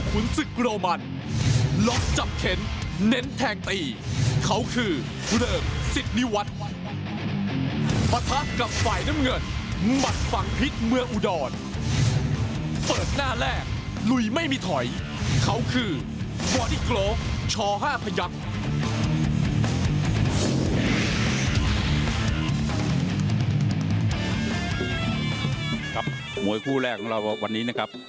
มวยคู่แรกของเราวันนี้นะครับ